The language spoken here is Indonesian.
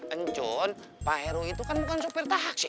encon pak heru itu kan bukan sopir tahaksi